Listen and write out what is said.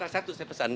satu saya pesan